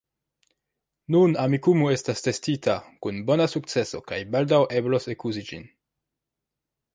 Nun Amikumu estas testita kun bona sukceso kaj baldaŭ eblos ekuzi ĝin.